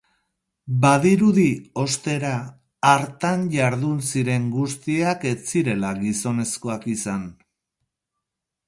Badirudi, ostera, hartan jardun ziren guztiak ez zirela gizonezkoak izan.